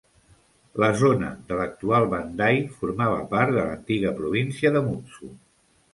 La zona de l'actual Bandai formava part de l'antiga província de Mutsu.